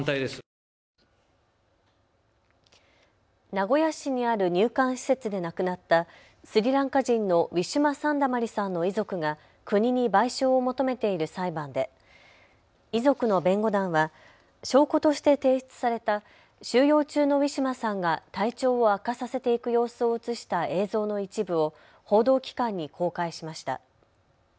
名古屋市にある入管施設で亡くなったスリランカ人のウィシュマ・サンダマリさんの遺族が国に賠償を求めている裁判で遺族の弁護団は証拠として提出された収容中のウィシュマさんが体調を悪化させていく様子を写した映像の一部を報道機関に公開しました。